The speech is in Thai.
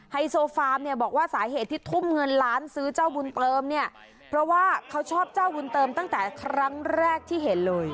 ไฮโซฟาร์มเนี่ยบอกว่าสาเหตุที่ทุ่มเงินล้านซื้อเจ้าบุญเติมเนี่ยเพราะว่าเขาชอบเจ้าบุญเติมตั้งแต่ครั้งแรกที่เห็นเลย